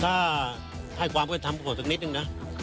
ถ้าให้ความคุ้นธรรมบุคคลสักนิดหนึ่งนะ